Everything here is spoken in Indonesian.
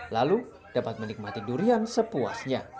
lalu dapat menikmati durian sepuasnya